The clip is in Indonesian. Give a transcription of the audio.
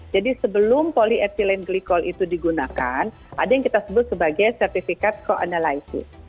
jadi sebelum polyethylene glycol itu digunakan ada yang kita sebut sebagai sertifikat co analysis